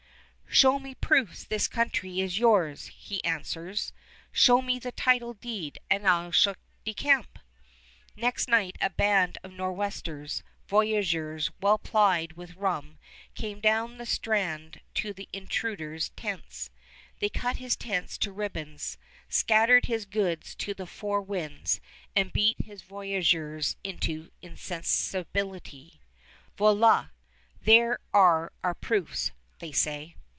"Show me proofs this country is yours," he answers. "Show me the title deed and I shall decamp." Next night a band of Nor'westers, voyageurs well plied with rum, came down the strand to the intruder's tents. They cut his tents to ribbons, scatter his goods to the four winds, and beat his voyageurs into insensibility. "Voila! there are our proofs," they say.